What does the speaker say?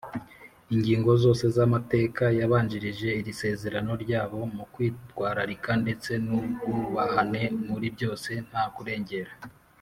Ingingo zose z’amateka yabanjirije iri sezerano ryabo mu kwitwararika ndetse n’ubwubahane muri byose ntakurengera